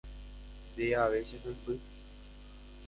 nde ave che memby.